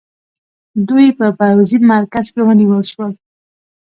دوی په پوځي مرکز کې ونیول شول.